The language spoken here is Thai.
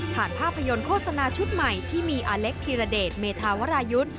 ภาพยนตร์โฆษณาชุดใหม่ที่มีอเล็กธิรเดชเมธาวรายุทธ์